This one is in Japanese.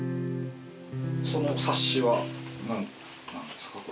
その冊子は何ですか？